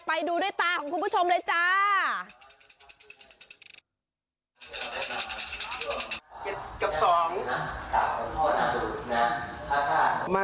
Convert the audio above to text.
ไปดูด้วยตาของคุณผู้ชมเลยจ้า